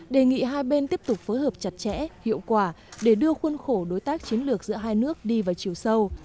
đề nghị hai bên tiếp tục phối hợp chặt chẽ hiệu quả để đưa khuôn khổ đối tác chiến lược giữa hai nước đi vào chiều sâu